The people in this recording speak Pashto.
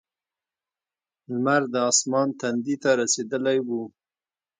لمر د اسمان تندي ته رسېدلی و.